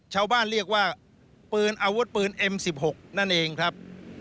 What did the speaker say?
ชาวบ้านเรียกว่าปืนอาวุธปืนเอ็ม๑๖นั่นเองครับ